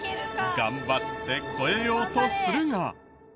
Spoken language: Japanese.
頑張って越えようとするが。